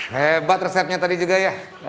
hebat resepnya tadi juga ya